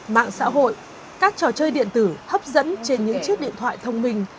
mạng xã hội các trò chơi điện tử hấp dẫn trên những chiếc điện thoại thông minh